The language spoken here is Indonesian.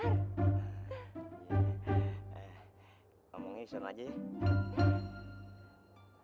ngomongnya di sana aja ya